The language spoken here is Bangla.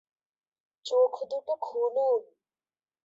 চোখ দুটো খুলুন!